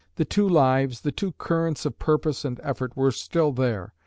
The two lives, the two currents of purpose and effort, were still there.